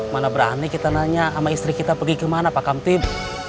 malah berani kita nanya sama istri kita pergi kemana pak kamtib